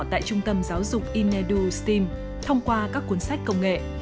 tại trung tâm giáo dục inedu steam thông qua các cuốn sách công nghệ